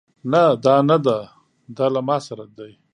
نه دا نده دا له ما سره دی